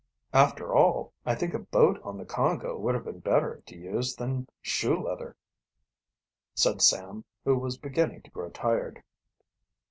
"After all, I think a boat on the Congo would have been better to use than shoe leather," said Sam, who was beginning to grow tired.